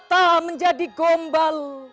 tuhan yang maha rahman